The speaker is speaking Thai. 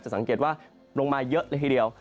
สังเกตว่าลงมาเยอะเลยทีเดียว